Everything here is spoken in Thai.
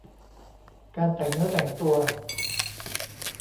การแต่งเนื้อแต่งตัว